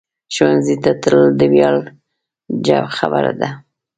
ښوونځی ته تلل د ویاړ خبره ده